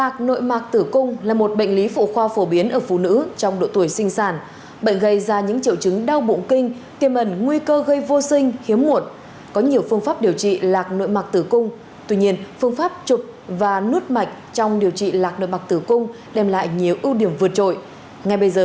các bạn hãy đăng ký kênh để ủng hộ kênh của chúng mình nhé